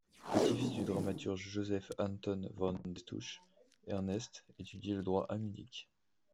Petit-fils du dramaturge Joseph Anton von Destouches, Ernst étudie le droit à Munich.